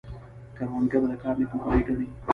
کروندګر د کار نیکمرغي ګڼي